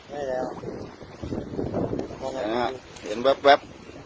เห็นแวบ